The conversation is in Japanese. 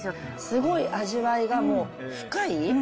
すごい味わいがもう深い。